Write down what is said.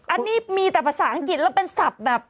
อันนี้มีแต่ภาษาอังกฤษแล้วเป็นศัพท์แบบ